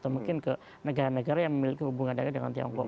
mungkin ke negara negara yang memiliki hubungan dengan tiongkok